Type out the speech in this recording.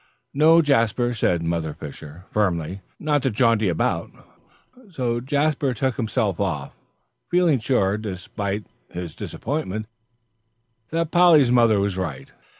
"No, Jasper," said Mother Fisher, firmly, "not to jaunt about." So Jasper took himself off, feeling sure, despite his disappointment, that Polly's mother was right.